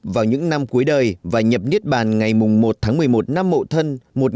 vào những năm cuối đời và nhập niết bàn ngày một tháng một mươi một năm mộ thân một nghìn ba trăm linh tám